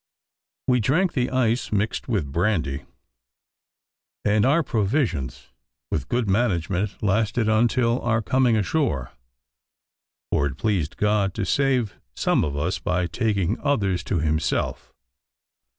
We drank the ice mixed with brandy; and our provisions, with good management, lasted until our coming ashore, for it pleased God to save some of us by taking others to himself.